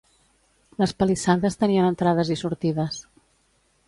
Les palissades tenien entrades i sortides.